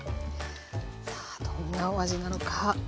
さあどんなお味なのか。